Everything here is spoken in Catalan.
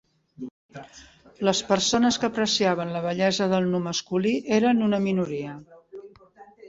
Les persones que apreciaven la bellesa del nu masculí eren una minoria.